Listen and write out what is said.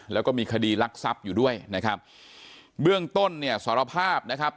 แล้วก็มีคดีรักทรัพย์อยู่ด้วยนะครับเบื้องต้นเนี่ยสารภาพนะครับ